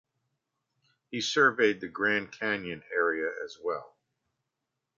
He surveyed the Grand Canyon area as well.